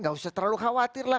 gak usah terlalu khawatir lah